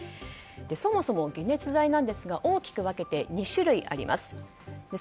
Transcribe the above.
そもそも解熱剤ですが大きく分けて２種類あります。